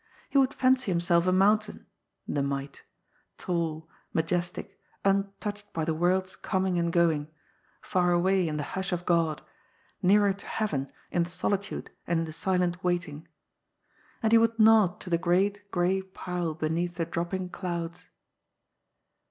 He would fancy himself a mountain — the mite — tall, majestic, untouched by the world's coming and going, far away in the hush of God, nearer to heayen in the solitude and the silent waiting. And he would nod to the great gray pile beneath the dropping clouds.